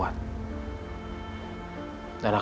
aku tau kamu perempuan yang kuat